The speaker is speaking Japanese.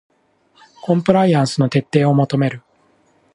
コンプライアンスの徹底を求める